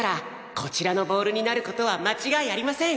こちらのボールになる事は間違いありません。